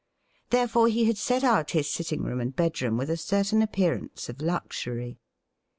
Therefore, he had set out his sitting room and bedroom with a certain appearance of luxury.